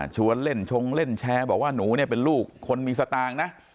ชวนเล่นชงเล่นแชร์บอกว่าหนูเนี่ยเป็นลูกคนมีสตางค์นะ